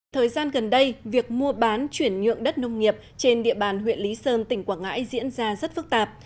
thời gian gần đây việc mua bán chuyển nhượng đất nông nghiệp trên địa bàn huyện lý sơn tỉnh quảng ngãi diễn ra rất phức tạp